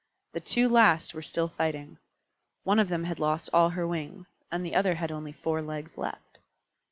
The two last were still fighting. One of them had lost all her wings, and the other had only four legs left.